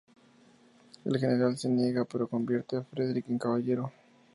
El general se niega, pero convierte a Frederic en caballero.